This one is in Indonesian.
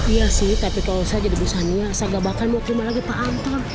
iya sih tapi kalau saya jadi bu sani saya gak bakal mau terima lagi pak anton